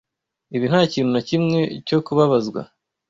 Ibi ntakintu nakimwe cyo kubabazwa.